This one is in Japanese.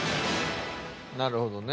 なるほどね。